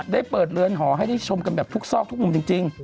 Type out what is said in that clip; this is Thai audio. ได้เปิดเรือนหอให้ได้ชมกันแบบทุกซอกทุกมุมจริง